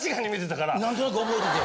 何となく覚えてて。